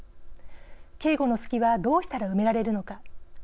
警護の「隙」はどうしたら埋められるのか。